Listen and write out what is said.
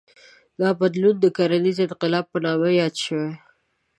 دا بدلون د کرنیز انقلاب په نامه یاد شو.